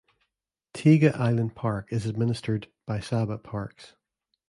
Tiga Island Park is administered by Sabah Parks.